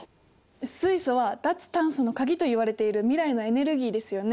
水素は脱炭素のカギといわれている未来のエネルギーですよね。